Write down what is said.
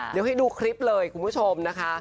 เดี๋ยวให้ดูคลิปเลยคุณผู้ชมนะคะ